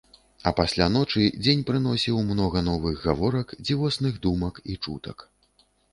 А пасля ночы дзень прыносіў многа новых гаворак, дзівосных думак і чутак.